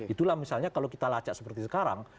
itulah misalnya kalau kita lacak seperti sekarang